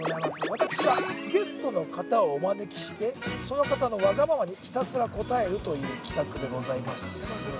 私が、ゲストの方をお招きして、その方のわがままにひたすら応えるという企画でございます。